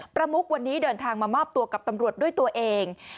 ประมุกวันนี้เดินทางมามอบตัวกับตำรวจด้วยตัวเอง